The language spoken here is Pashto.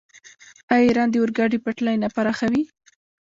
آیا ایران د اورګاډي پټلۍ نه پراخوي؟